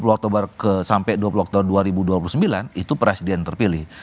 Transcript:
sepuluh oktober sampai dua puluh oktober dua ribu dua puluh sembilan itu presiden terpilih